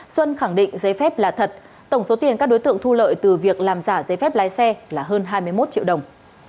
xuân khẳng định giấy phép là thật tổng số tiền các đối tượng thu lợi từ việc làm giả giấy phép lái xe là hơn hai mươi một triệu đồng